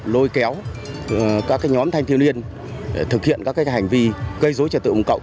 lôi kéo các nhóm thanh thiên liên để thực hiện các hành vi gây dối trẻ tự ủng cộng